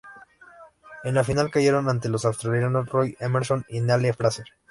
En la final cayeron ante los australianos Roy Emerson y Neale Fraser.